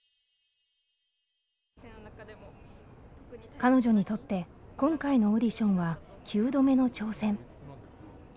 彼女にとって今回のオーディションは９度目の挑戦。